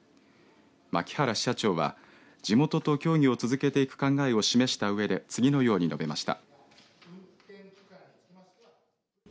牧原支社長は地元と協議を続けていく考えを示したうえで次のように述べました。